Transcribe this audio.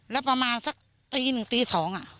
แล้วประมาณสักตีหนึ่งตี๒